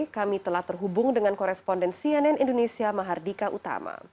kami telah terhubung dengan koresponden cnn indonesia mahardika utama